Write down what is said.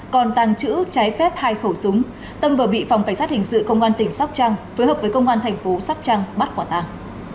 còn tàng trữ trái phép hai khẩu súng tâm vừa bị phòng cảnh sát hình sự công an tỉnh sóc trăng phối hợp với công an thành phố sóc trăng bắt quả tàng